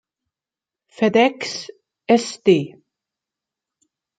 FedEx St.